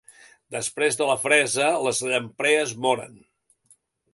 Després de la fresa, les llamprees moren.